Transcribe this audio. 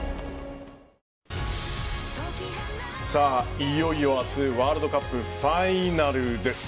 いよいよ明日ワールドカップファイナルです。